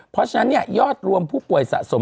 เพราะฉะนั้นยอดรวมผู้ป่วยสะสม